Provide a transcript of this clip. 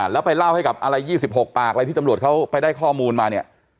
แล้วไปเล่าให้กับอะไร๒๖ปากอะไรที่ตำรวจเขาไปได้ข้อมูลมาเนี่ย